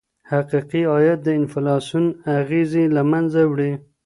حقیقي عاید د انفلاسیون اغیزې له منځه وړي.